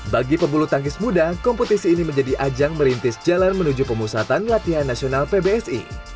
bagi pebulu tangkis muda kompetisi ini menjadi ajang merintis jalan menuju pemusatan latihan nasional pbsi